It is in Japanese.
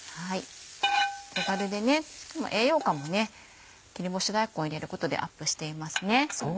手軽でしかも栄養価も切り干し大根を入れることでアップしています。